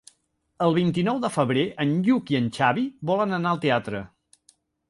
El vint-i-nou de febrer en Lluc i en Xavi volen anar al teatre.